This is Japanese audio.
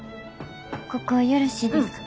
ここよろしいですか？